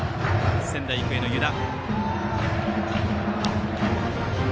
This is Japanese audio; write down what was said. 仙台育英の湯田。